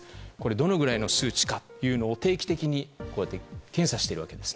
どのぐらいの数値かを定期的に検査しているわけです。